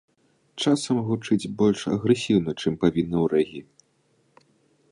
Часам гучыць больш агрэсіўна, чым павінна ў рэгі.